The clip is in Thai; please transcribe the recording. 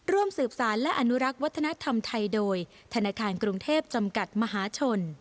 ร่วมสืบสารและอนุรักษ์วัฒนธรรมไทยโดยธนาคารกรุงเทพจำกัดมหาชน